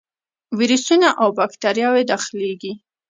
ویروسونه او باکتریاوې داخليږي.